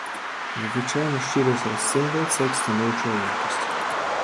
Звычайна шчырасць расцэньваецца як станоўчая якасць.